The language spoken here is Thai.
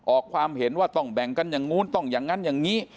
ออกความเห็นว่าต้องแบ่งกันอย่างนู้นต้องอย่างนั้นอย่างนี้